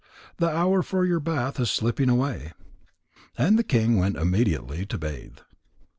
The hour for your bath is slipping away." And the king went immediately to bathe.